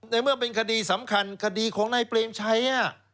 ในเมื่อเป็นคดีสำคัญคดีของนายเปรมชัย